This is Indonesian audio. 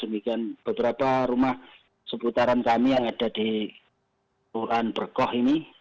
demikian beberapa rumah seputaran kami yang ada di tuhan berkoh ini